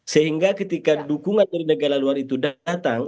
sehingga ketika dukungan dari negara luar itu datang